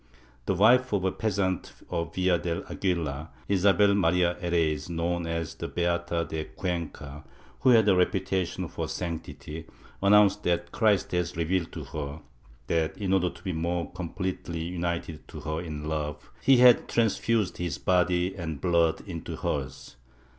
The wife of a peasant of Villar del Aguila, Isabel Maria Herraiz, known as the Beata de Cuenca, who had a reputation for sanctity, annomiced that Christ had revealed to her that, in order to be more completely united to her in love, he had trans fused his body and blood into hers.